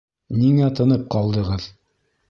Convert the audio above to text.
Ниңә тынып ҡалдығыҙ?